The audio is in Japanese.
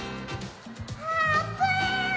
あーぷん！